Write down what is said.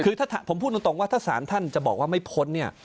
คือถ้าผมพูดตรงว่าถ้าสารท่านจะบอกว่าไม่พ้นเนี่ย